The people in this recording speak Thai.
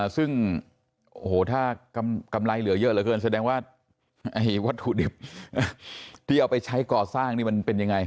ซึ่งโอ้โหถ้ากำไรเหลือเยอะเหลือเกินแสดงว่าวัตถุดิบที่เอาไปใช้ก่อสร้างนี่มันเป็นยังไง